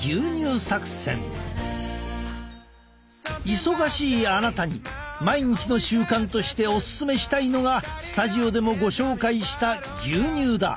忙しいあなたに毎日の習慣としてオススメしたいのがスタジオでもご紹介した牛乳だ。